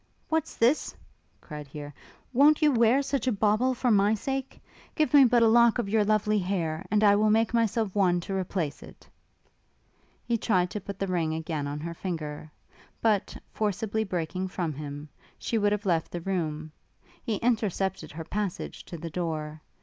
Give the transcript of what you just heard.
'What's this?' cried he: 'Won't you wear such a bauble for my sake? Give me but a lock of your lovely hair, and I will make myself one to replace it.' He tried to put the ring again on her finger; but, forcibly breaking from him, she would have left the room: he intercepted her passage to the door.